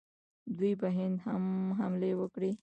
دوی په هند هم حملې وکړې